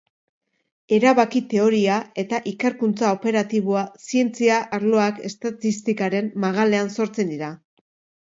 Erabaki-teoria eta ikerkuntza operatiboa zientzia arloak estatistikaren magalean sortzen dira.